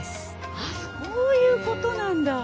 あそういうことなんだ。